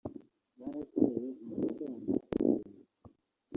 Bwarakeye mu gitondo ndazinduka